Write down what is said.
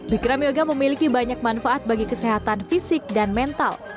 bekram yoga memiliki banyak manfaat bagi kesehatan fisik dan mental